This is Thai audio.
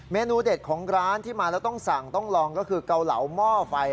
เมนูเด็ดของร้านที่มาแล้วต้องสั่งต้องลองก็คือเกาเหลาหม้อไฟ